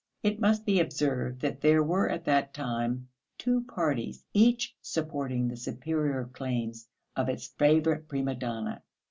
It must be observed that there were at that time two parties, each supporting the superior claims of its favourite prima donna.